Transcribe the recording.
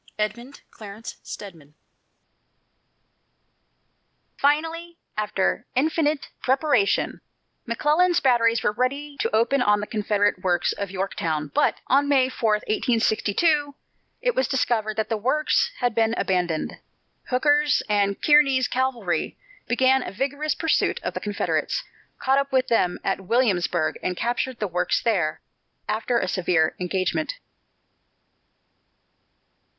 EDMUND CLARENCE STEDMAN. Finally, after infinite preparation, McClellan's batteries were ready to open on the Confederate works at Yorktown, but on May 4, 1862, it was discovered that the works had been abandoned. Hooker's and Kearny's cavalry began a vigorous pursuit of the Confederates, caught up with them at Williamsburg and captured the works there, after a severe engagement.